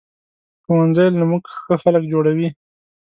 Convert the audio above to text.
ښوونځی له مونږ ښه خلک جوړوي